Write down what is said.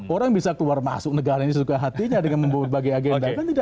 orang bisa keluar masuk negara ini sesuka hatinya dengan membawa berbagai agenda